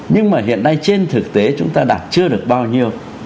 nhưng mà hiện nay trên thực tế chúng ta đạt chưa được bao nhiêu